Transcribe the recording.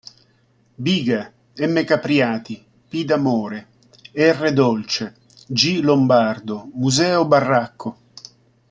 Biga, M. Capriati, P. D'Amore, R. Dolce, G. Lombardo, "Museo Barracco.